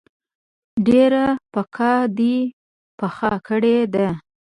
ډیره پکه دي پخه کړی ده